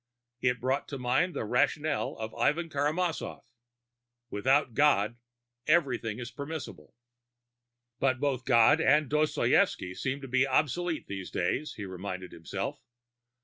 It brought to mind the rationale of Ivan Karamazov: without God, everything is permissible. But both God and Dostoevski seem to be obsolete these days, he reminded himself.